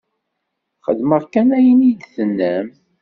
Xedmeɣ kan ayen i yi-d-tennam.